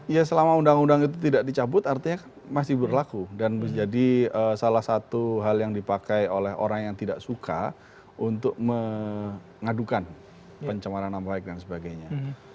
ya selama undang undang itu tidak dicabut artinya masih berlaku dan menjadi salah satu hal yang dipakai oleh orang yang tidak suka untuk mengadukan pencemaran nama baik dan sebagainya